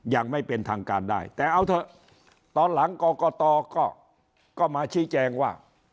ยังไม่เป็นทางการได้แต่เอาเถอะตอนหลังกรกตก็มาชี้แจงว่า